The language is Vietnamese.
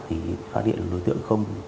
thì phát hiện đối tượng không